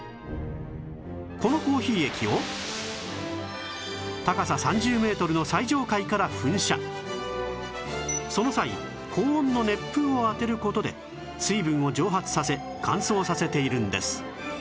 このコーヒー液を高さ３０メートルのその際高温の熱風を当てる事で水分を蒸発させ乾燥させているんです